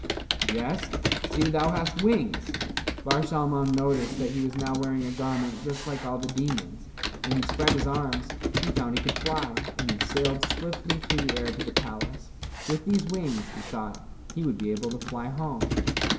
"Yes; see thou hast wings." Bar Shalmon noticed that he was now wearing a garment just like all the demons. When he spread his arms, he found he could fly, and he sailed swiftly through the air to the palace. With these wings, he thought, he would be able to fly home.